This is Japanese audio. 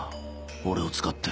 俺を使って。